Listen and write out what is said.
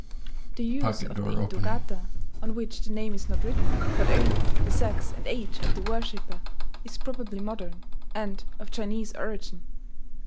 The use of the hitogata, on which the name is not written, but only the sex and age of the worshipper, is probably modern, and of Chinese origin.